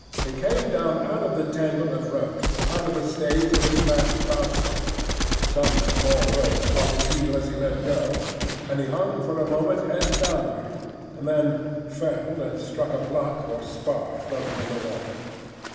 He came down out of the tangle of ropes under the stays of the smashed bowsprit, some small rope caught his heel as he let go, and he hung for a moment head downward, and then fell and struck a block or spar floating in the water.